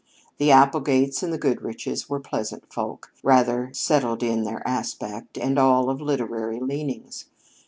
The Applegates and the Goodriches were pleasant folk, rather settled in their aspect, and all of literary leanings.